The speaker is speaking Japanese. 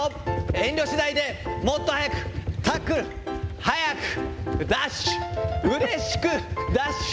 遠慮しないで、もっと速く、タックル、速く、ダッシュ、うれしくダッシュ。